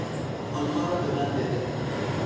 آنها را به من بده.